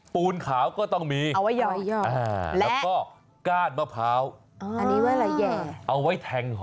ปูนขาวก็ต้องมีเอาไว้